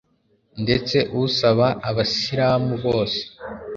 ndetse usaba abasilamu bose